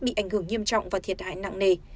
bị ảnh hưởng nghiêm trọng và thiệt hại nặng nề